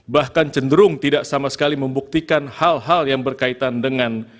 bahkan cenderung tidak sama sekali membuktikan hal hal yang berkaitan dengan